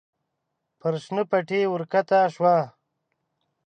پر شنه پټي ور کښته شوه.